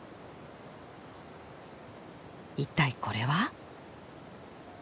一体これは？